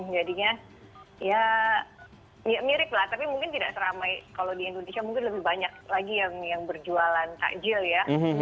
jadinya ya mirip lah tapi mungkin tidak seramai kalau di indonesia mungkin lebih banyak lagi yang berjualan takjil ya